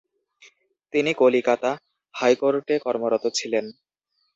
তিনি কলিকাতা হাইকোর্টে কর্মরত ছিলেন।